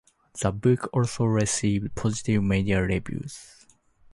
The book also received positive media reviews.